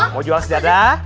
mau jual sejadah